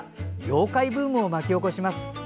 妖怪ブームを巻き起こします。